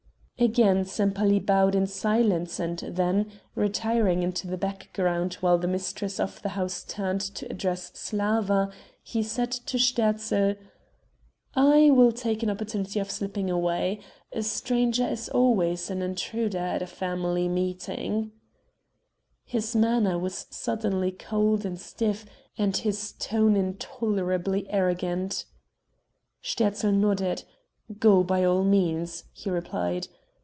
Again Sempaly bowed in silence and then, retiring into the background while the mistress of the house turned to address Slawa, he said to Sterzl: "I will take an opportunity of slipping away a stranger is always an intruder at a family meeting," His manner was suddenly cold and stiff and his tone intolerably arrogant. Sterzl nodded: "Go by all means," he replied.